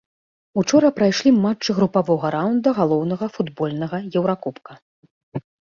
Учора прайшлі матчы групавога раўнда галоўнага футбольнага еўракубка.